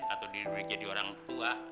atau jadi orang tua